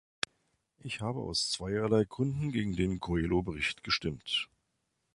Ich habe aus zweierlei Gründen gegen den Coelho-Bericht gestimmt.